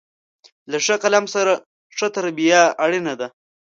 له ښه قلم سره، ښه تربیه اړینه ده.